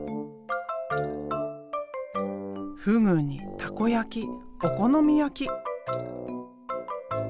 ふぐにたこやきお好み焼き。